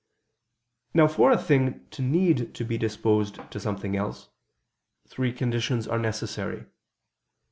Now for a thing to need to be disposed to something else, three conditions are necessary.